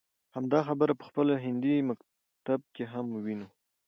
همدا خبره په خپل هندي مکتب کې هم وينو.